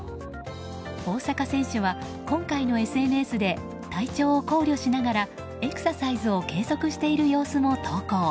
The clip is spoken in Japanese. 大坂選手は今回のＳＮＳで体調を考慮しながらエクササイズを継続している様子も投稿。